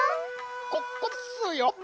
ここですよ。